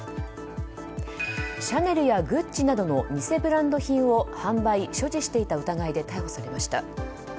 シャネルやグッチなどの偽ブランド品を販売・所持していた疑いで逮捕されました。